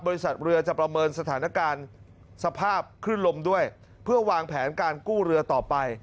บริษัทเรือจะประเมินสถานการณ์สภาพคลื่นลมด้วยเพื่อวางแผนการกู้เรือต่อไป